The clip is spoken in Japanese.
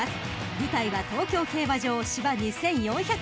［舞台は東京競馬場芝２，４００ｍ］